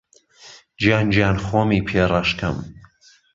گیان گیان خۆمی پێ رهش کهم